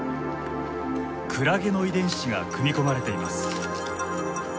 クラゲの遺伝子が組み込まれています。